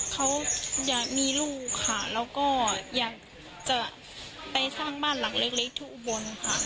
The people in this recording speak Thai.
เขาอยากมีลูกค่ะแล้วก็อยากจะไปสร้างบ้านหลังเล็กที่อุบลค่ะ